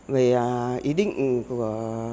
về ý định của